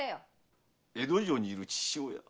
江戸城にいる父親？